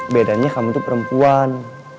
bedanya kamu tuh perempuan